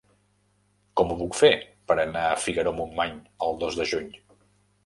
Com ho puc fer per anar a Figaró-Montmany el dos de juny?